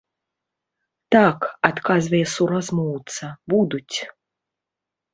Так, адказвае суразмоўца, будуць.